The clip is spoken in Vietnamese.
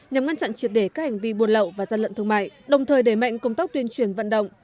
nhằm ngăn chặn triệt để các hành vi buôn lậu và gian lận thương mại đồng thời đẩy mạnh công tác tuyên truyền vận động